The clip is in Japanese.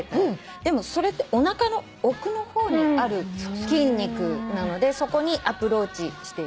でもそれっておなかの奥の方にある筋肉なのでそこにアプローチしていきます。